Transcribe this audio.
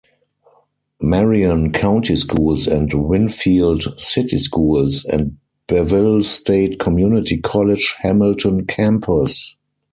Marion County Schools and Winfield City Schools and Bevill State Community College Hamilton Campus.